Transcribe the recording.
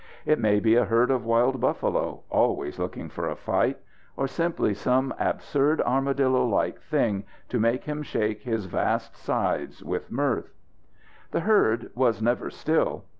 It may be a herd of wild buffalo, always looking for a fight, or simply some absurd armadillo like thing, to make him shake his vast sides with mirth. The herd was never still.